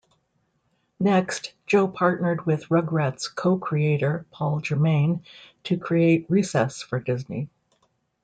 Next, Joe partnered with Rugrats co-creator, Paul Germain, to create Recess for Disney.